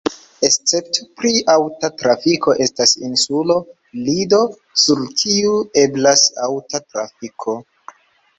Escepto pri aŭta trafiko estas insulo Lido, sur kiu eblas aŭta trafiko.